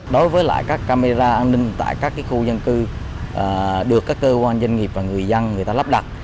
đối với các camera an ninh tại các khu dân cư được các cơ quan doanh nghiệp và người dân lắp đặt